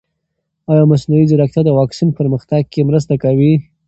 ایا مصنوعي ځیرکتیا د واکسین پرمختګ کې مرسته کوي؟